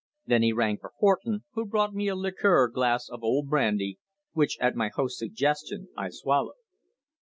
Then he rang for Horton, who brought me a liqueur glass of old brandy, which at my host's suggestion I swallowed.